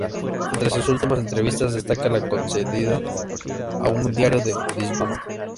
Entre sus últimas entrevistas destaca la concedida a un diario en Lisboa.